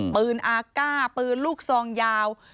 ปืนอาก้าปืนลูกซองยาว